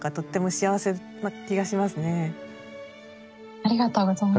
ありがとうございます。